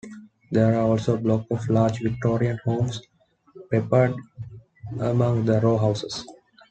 There are also blocks of large Victorian homes peppered among the rowhouses.